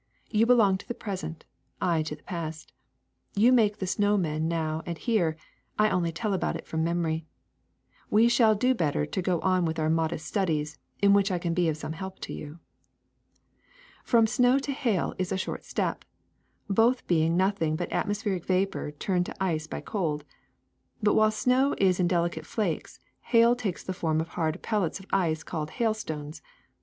You belong to the present, I to the past ; you make the snow man now and here; I only tell about it from memory. We shall do better to go on with our modest studies, in which I can be of some help to you. *^From snow to hail is a short step, both being nothing but atmospheric vapor turned to ice by cold. But while snow is in delicate flakes, hail takes the form of hard pellets of ice called hailstones.